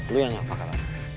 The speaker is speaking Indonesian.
lu yan apa khal